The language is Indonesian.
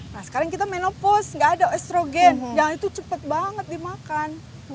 nah sekarang kita menopos nggak ada estrogen dan itu cepat banget dimakan